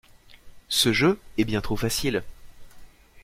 Ce jeu est bien trop facile.